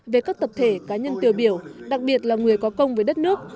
về các tập thể cá nhân tiêu biểu đặc biệt là người có công với đất nước